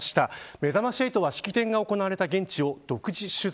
めざまし８は式典が行われた現地を独自取材。